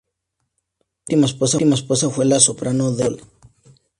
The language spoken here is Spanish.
Su última esposa fue la soprano Denia Mazzola.